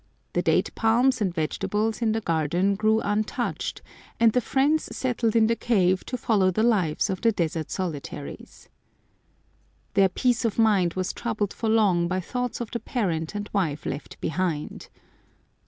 The date palms and vegetables in the garden grew 171 Curiosities of Olden Times untouched, and the friends settled in the cave to follow the lives of the desert solitaries. Their peace of mind was troubled for long by thoughts of the parent and wife left behind.